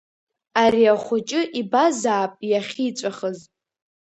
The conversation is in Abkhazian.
Ари ахәыҷы ибазаап иахьиҵәахыз.